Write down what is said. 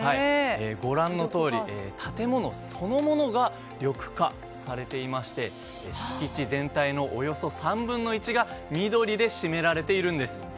ご覧のとおり建物そのものが緑化されていまして敷地全体のおよそ３分の１が緑で占められているんです。